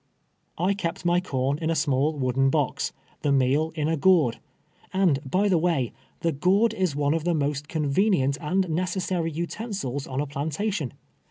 I kept my corn in a snuill wooden box, the meal in a gourd ; and, by the way, the gourd is one of the most convenient and necessary utensils on a planta tion.